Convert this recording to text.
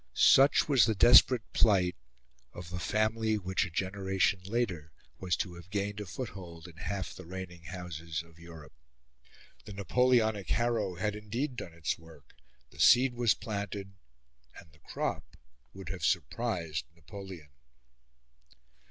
Such was the desperate plight of the family which, a generation later, was to have gained a foothold in half the reigning Houses of Europe. The Napoleonic harrow had indeed done its work, the seed was planted; and the crop would have surprised Napoleon.